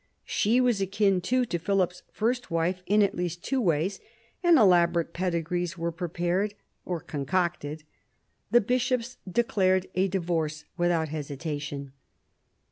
She was akin, too, to Philip's first wife in at least two ways, and elaborate pedigrees were prepared — or concocted. The bishops declared a divorce without hesitation.